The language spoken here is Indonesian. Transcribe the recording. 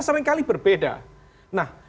sekali berbeda nah